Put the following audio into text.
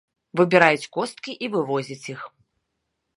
Выбіраюць косткі і вывозяць іх.